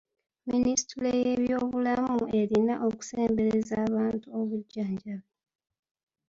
Minisitule y'ebyobulamu erina okusembereza abantu obujjanjabi.